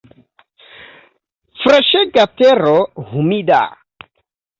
Freŝega tero humida.